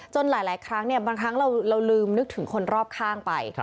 หลายครั้งบางครั้งเราลืมนึกถึงคนรอบข้างไป